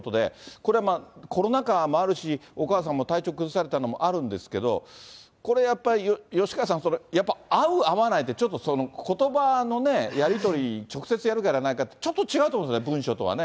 これはまあ、コロナ禍もあるし、お母さんも体調崩されたのもあるんですけど、これやっぱり、吉川さん、やっぱり会う、会わないで、ちょっとことばのね、やり取り、直接やる、やらないかってちょっと違うと思うんですが、文書とはね。